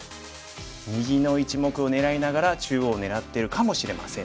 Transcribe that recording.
右の１目を狙いながら中央を狙ってるかもしれません。